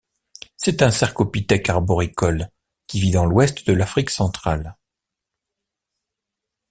C'est un cercopithèque arboricole qui vit dans l'ouest de l'Afrique centrale.